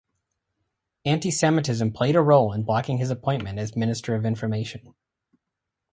Anti-semitism played a role in blocking his appointment as Minister of Information.